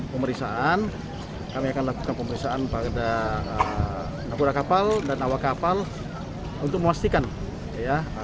pemerintahan kami akan lakukan pemerintahan pada nakura kapal dan awak kapal untuk memastikan ya